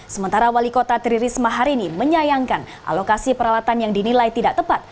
sementara wali kota tri risma hari ini menyayangkan alokasi peralatan yang dinilai tidak tepat